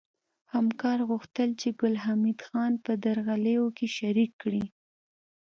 همکار غوښتل چې ګل حمید خان په درغلیو کې شریک کړي